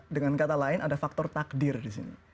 dengan kata lain ada faktor takdir disini